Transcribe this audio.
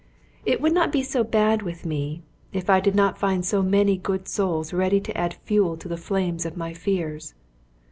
It would not be so bad with me, if I did not find so many good souls ready to add fuel to the flames of my fears.